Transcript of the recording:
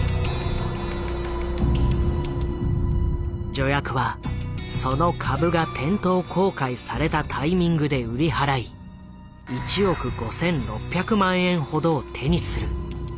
助役はその株が店頭公開されたタイミングで売り払い１億５，６００万円ほどを手にする。